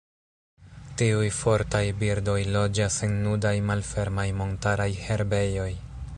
Tiuj fortaj birdoj loĝas en nudaj malfermaj montaraj herbejoj.